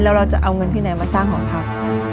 แล้วเราจะเอาเงินที่ไหนมาสร้างหอพัก